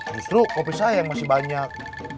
justru kopi saya yang masih banyak